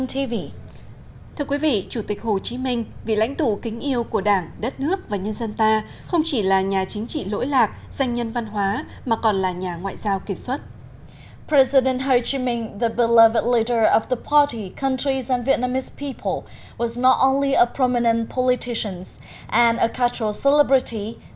thưa quý vị chủ tịch hồ chí minh vị lãnh thủ kính yêu của đảng đất nước và nhân dân ta không chỉ là nhà chính trị lỗi lạc danh nhân văn hóa mà còn là nhà ngoại giao kỳ xuất